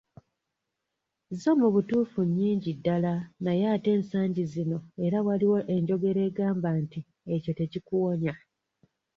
Zo mu butuufu nnyingi ddala, naye ate ensangi zino era waliwo enjogera egamba nti, "ekyo tekikuwonya."